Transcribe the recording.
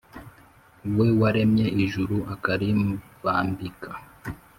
we waremye ijuru akaribambika,